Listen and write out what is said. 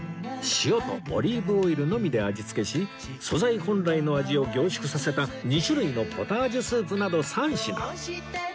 塩とオリーブオイルのみで味付けし素材本来の味を凝縮させた２種類のポタージュスープなど３品